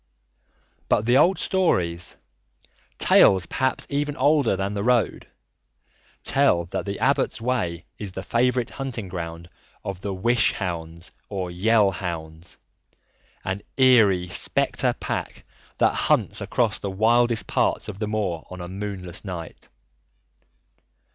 But the old stories tales perhaps even older than the road tell that the Abbot's Way is the favourite hunting ground of the Wish Hounds or Yell Hounds, an eerie spectre pack that hunts across the wildest parts of the moor on moonless nights.